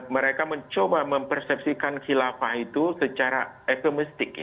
mereka mencoba mempersepsikan khilafah itu secara ekonomistik